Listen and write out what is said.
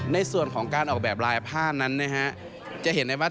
ในส่วนของการออกแบบลายผ้านั้นนะฮะจะเห็นได้ว่า